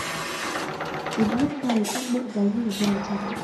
Chính lúc này trong bộ váy ngủ màu trắng